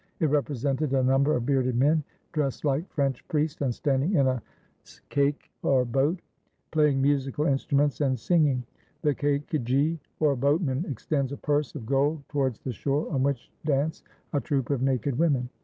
It represented a number of bearded men dressed like French priests and standing in a caique or boat, playing musical in struments and singing. The caiqueji or boatman extends a purse of gold towards the shore, on which dance a troop of naked women.